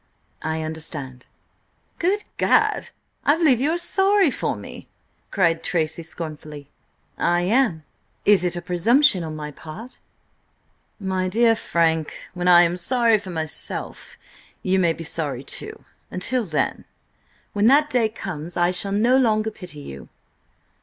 "I understand." "Good Gad! I believe you are sorry for me?" cried Tracy scornfully. "I am. Is it a presumption on my part?" "My dear Frank, when I am sorry for myself you may be sorry too. Until then—" "When that day comes I shall no longer pity you."